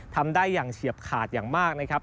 ทำได้อย่างเฉียบขาดอย่างมากนะครับ